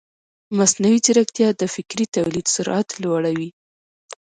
مصنوعي ځیرکتیا د فکري تولید سرعت لوړوي.